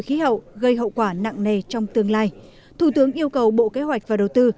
khí hậu gây hậu quả nặng nề trong tương lai thủ tướng yêu cầu bộ kế hoạch và đầu tư